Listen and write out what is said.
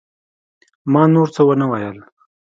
ما نور څه ونه ويل.